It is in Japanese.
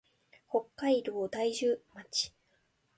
北海道大樹町